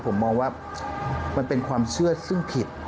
ผมมองว่ามันเป็นความเชื่อซึ่งผิด